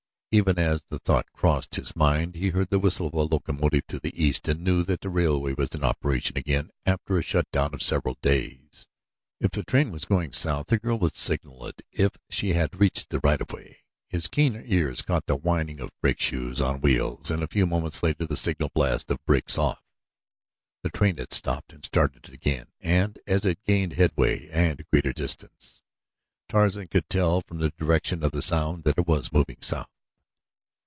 Even as the thought crossed his mind he heard the whistle of a locomotive to the east and knew that the railway was in operation again after a shutdown of several days. If the train was going south the girl would signal it if she had reached the right of way. His keen ears caught the whining of brake shoes on wheels and a few minutes later the signal blast for brakes off. The train had stopped and started again and, as it gained headway and greater distance, Tarzan could tell from the direction of the sound that it was moving south.